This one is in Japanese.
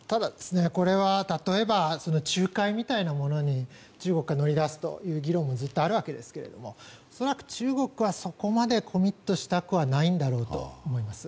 これは例えば仲介みたいなものに中国が乗り出すという議論はずっとあるわけですが恐らく中国は、そこまでコミットしたくはないんだろうと思います。